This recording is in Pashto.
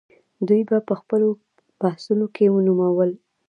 دوی به په خپلو بحثونو کې نومول.